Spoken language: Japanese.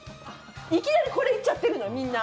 いきなりこれ行っちゃってるのみんな。